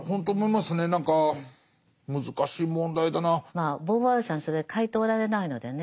まあボーヴォワールさんそれ書いておられないのでね。